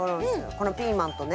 このピーマンとね。